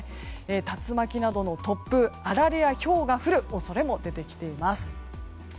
竜巻などの突風あられやひょうが降る恐れも出てきています。